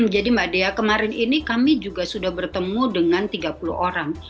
jadi mbak dea kemarin ini kami juga sudah bertemu dengan tiga puluh orang